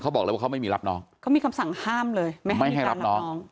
เขาบอกเลยว่าเขาไม่มีรับน้องเขามีคำสั่งห้ามเลยไม่ให้ไม่ให้รับน้อง